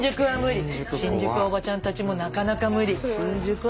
新宿はおばちゃんたちもなかなか無理。